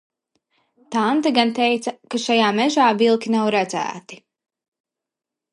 Tante gan teica, ka šajā mežā vilki nav redzēti.